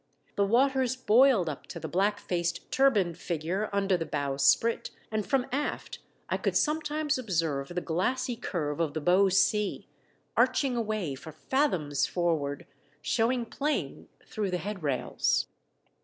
The waters boiled up to the black faced turbaned figure under the bowsprit, and from aft I could sometimes observe the glassy curve of the bow sea, arching away for fathoms forward, showing plain through the headrails.